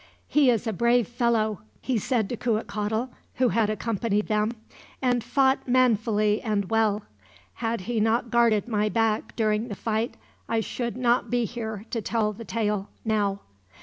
"He is a brave fellow," he said to Cuitcatl, who had accompanied them, "and fought manfully and well. Had he not guarded my back during the fight, I should not be here to tell the tale, now."